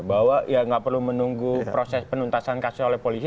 bahwa ya nggak perlu menunggu proses penuntasan kasus oleh polisi